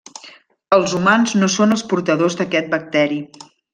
Els humans no són els portadors d'aquest bacteri.